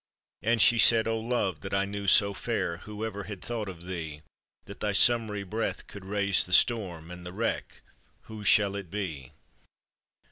And she said :" O love that I knew so fair, Whoever had thought of thee That thy summery breath could raise th« storm, And the wreck— whose shall it be?